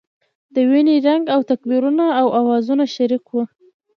د وینې رنګ او تکبیرونو اوازونه شریک وو.